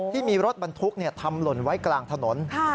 ที่มีรถบรรทุกทำหล่นไว้กลางถนน